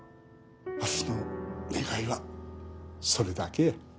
わしの願いはそれだけや。